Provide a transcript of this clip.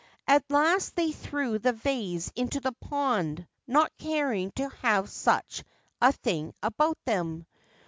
At last they threw the vase into the pond, not caring to have such a thing about them.